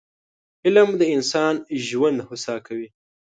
علم د انسان ژوند هوسا کوي